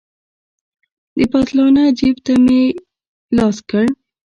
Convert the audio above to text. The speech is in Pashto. د پتلانه جيب ته مې لاس کړ.